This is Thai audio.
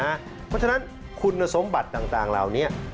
เพราะฉะนั้นคุณสมบัติต่างเหล่านี้